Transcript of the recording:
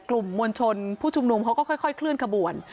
กลุ่มมวลชนผู้ชุมนุมเขาก็ค่อยเคลื่อนขบวน